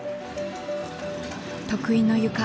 得意のゆか。